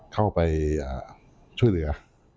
เข้าไปช่วยเหลือ